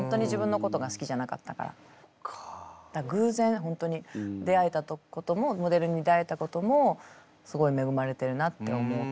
偶然本当に出会えたこともモデルに出会えたこともすごい恵まれてるなって思ってます。